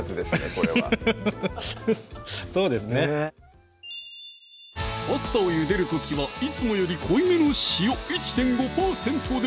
これはフフフフフッそうですねねっパスタをゆでる時はいつもより濃いめの塩１．５％で！